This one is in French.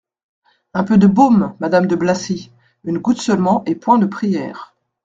Un peu de baume, madame de Blacy, une goutte seulement et point de prières.